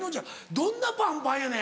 どんなパンパンやねん。